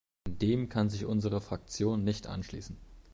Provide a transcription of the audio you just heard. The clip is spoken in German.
Dem kann sich unsere Fraktion nicht anschließen.